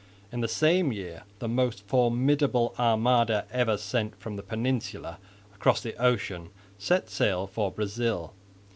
In the same year the most formidable armada ever sent from the Peninsula across the ocean set sail for Brazil.